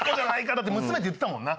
だって娘って言ってたもんな。